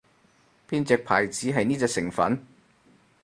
邊隻牌子係呢隻成份